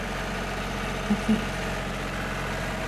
The fifth.